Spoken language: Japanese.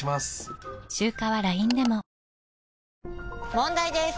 問題です！